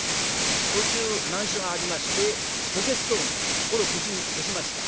途中難所がありまして法華津峠これ無事に越しました。